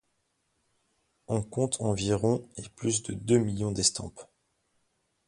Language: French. On compte environ et plus de deux millions d'estampes.